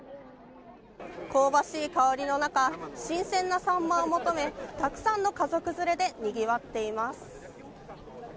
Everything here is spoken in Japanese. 香ばしい香りの中新鮮なサンマを求めたくさんの家族連れでにぎわっています。